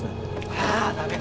ああ駄目か！